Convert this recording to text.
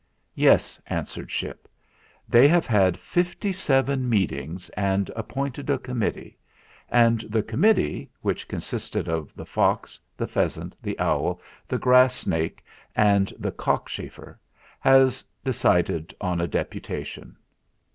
"Yes," answered Ship. "They have had fifty seven meetings and appointed a committee; MR. MELES 265 and the committee, which consisted of the fox, the pheasant, the owl, the grass snake, and the cockchafer, has decided on a deputation."